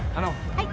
はい。